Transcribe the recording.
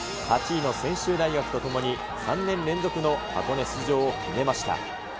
８位の専修大学とともに３年連続の箱根出場を決めました。